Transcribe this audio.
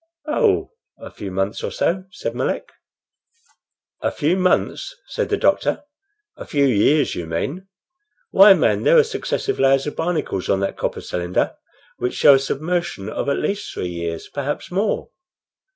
"Oh, a few months or so," said Melick. "A few months!" said the doctor. "A few years you mean. Why, man, there are successive layers of barnacles on that copper cylinder which show a submersion of at least three years, perhaps more."